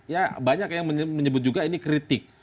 ya banyak yang menyebut juga ini kritik